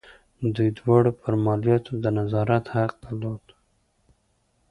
دوی دواړو پر مالیاتو د نظارت حق درلود.